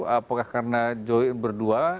apakah karena berdua